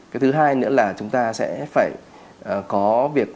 cái thứ hai nữa là chúng ta sẽ phải có việc